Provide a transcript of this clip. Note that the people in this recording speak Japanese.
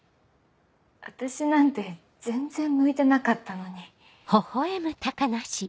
私なんて全然向いてなかったのに。